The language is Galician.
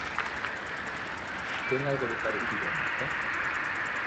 Ten algo de parecido a Marta?